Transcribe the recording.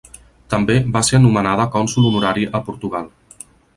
També va ser nomenada cònsol honorari a Portugal.